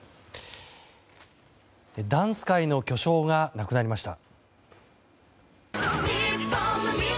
ダンス界の巨匠が亡くなりました。